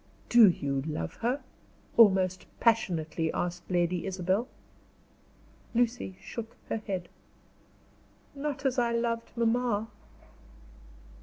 "Do you love her?" almost passionately asked Lady Isabel. Lucy shook her head. "Not as I loved mamma."